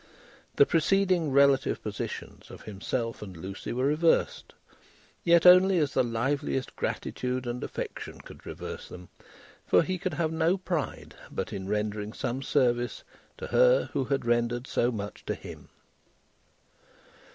The preceding relative positions of himself and Lucie were reversed, yet only as the liveliest gratitude and affection could reverse them, for he could have had no pride but in rendering some service to her who had rendered so much to him.